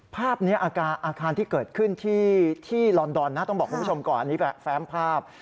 ภาพนี้อาการอาคารที่เกิดขึ้นที่ลอนดอนนะต้องบอกคุณผู้ชมก่อนอันนี้แฟ้มภาพ